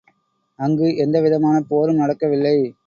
அங்கு எந்தவிதமான போரும் நடக்கவில்லை.